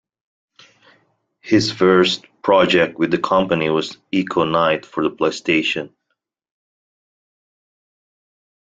His first project with the company was "Echo Night" for the PlayStation.